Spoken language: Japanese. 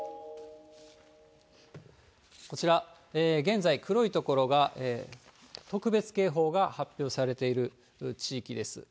こちら、現在、黒い所が特別警報が発表されている地域です。